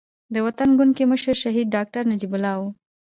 د وطن ګوند کې مشر شهيد ډاکټر نجيب الله وو.